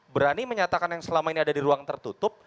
berani menyatakan yang selama ini ada di ruang tertutup